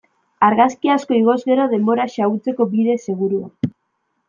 Argazki asko igoz gero, denbora xahutzeko bide segurua.